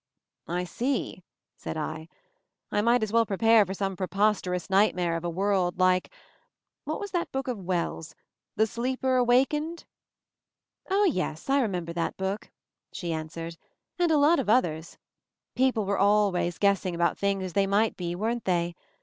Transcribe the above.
"I see," said I. "I might as well prepare for some preposterous nightmare of a world, like — what was that book of Wells', 'The Sleeper Awakened?' " "Oh, yes; I remember that book," she answered, "and a lot of others. People were already guessing about things as they might be, weren't they?